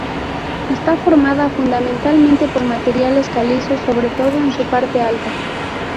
Está formada fundamentalmente por materiales calizos, sobre todo en su parte alta.